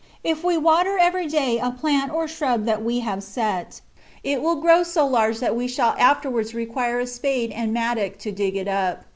If we water every day a plant or shrub that we have set, it will grow so large that we shall afterwards require a spade and mattock to dig it up.